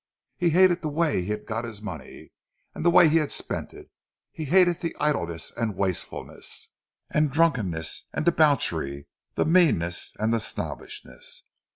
He hated the way he had got his money, and the way he had spent it. He hated the idleness and wastefulness, the drunkenness and debauchery, the meanness and the snobbishness.